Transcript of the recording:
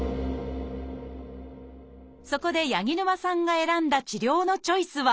そこで八木沼さんが選んだ治療のチョイスは？